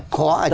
khó ở chỗ đó